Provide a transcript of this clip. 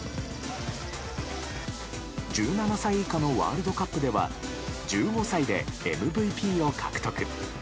１７歳以下のワールドカップでは１５歳でＭＶＰを獲得。